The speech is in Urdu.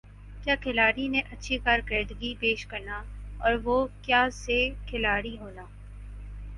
کَیا کھلاڑی نے اچھی کارکردگی پیش کرنا اور وُہ کَیا سے کھلاڑی ہونا